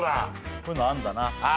こういうのあんだな。